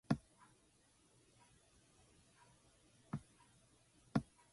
Legislative power is vested in both the government and the Assembly of French Polynesia.